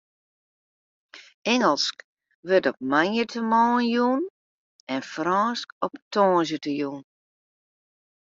Ingelsk wurdt op moandeitemoarn jûn en Frânsk op tongersdeitejûn.